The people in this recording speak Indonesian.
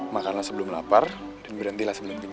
makanlah sebelum lapar dan berhentilah sebelum dingin